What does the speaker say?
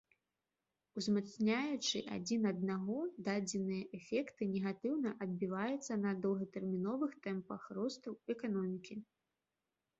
Узмацняючы адзін аднаго, дадзеныя эфекты негатыўна адбіваюцца на доўгатэрміновых тэмпах росту эканомікі.